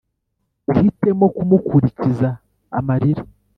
Uhitemo kumukurikiza amarira